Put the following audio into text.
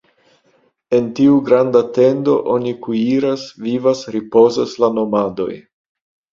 En tiu granda tendo oni kuiras, vivas, ripozas la nomadoj.